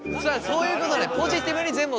そういうことね。